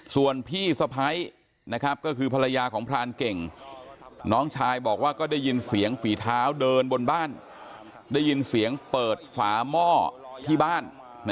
ส่วนพี่สะพ้ายก็คือภรรยาของพรานเก่งน้องชายบอกว่าก็ได้ยินเสียงฝีเท้าเดินบนบ้านได้ยินเสียงเปิดฝาหม้อที่บ้าน